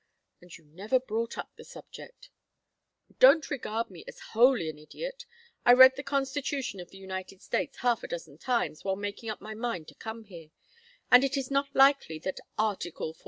And you never brought up the subject " "Don't regard me as wholly an idiot. I read the Constitution of the United States half a dozen times while making up my mind to come here, and it is not likely that Article XIV.